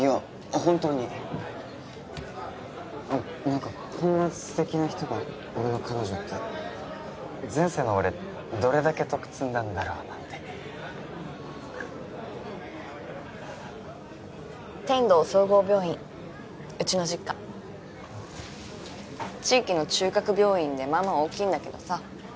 本当に何かこんな素敵な人が俺の彼女って前世の俺どれだけ徳積んだんだろうなって天堂総合病院うちの実家地域の中核病院でまあまあ大きいんだけどさ